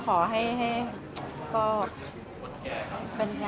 เสียใจเสียใจ